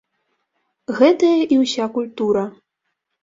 Гэтая і ўся культура.